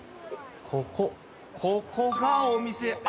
ここここがお店あ